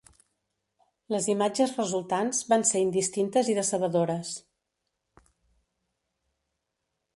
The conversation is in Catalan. Les imatges resultants van ser indistintes i decebedores.